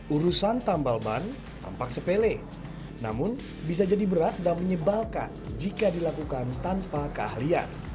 urusan tambal ban tampak sepele namun bisa jadi berat dan menyebalkan jika dilakukan tanpa keahlian